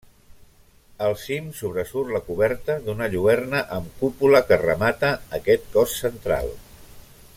Al cim sobresurt la coberta d'una lluerna amb cúpula que remata aquest cos central.